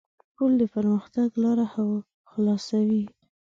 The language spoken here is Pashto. پُل د پرمختګ لاره خلاصوي.